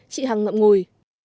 chị hằng ngậm ngùi